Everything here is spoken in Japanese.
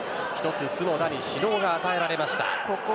１つ都度なり指導が与えられました。